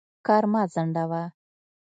کار مه ځنډوه.